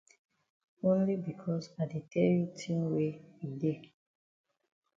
Only becos I di tell you tin wey e dey.